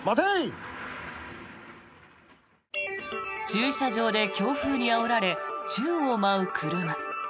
駐車場で強風にあおられ宙を舞う車。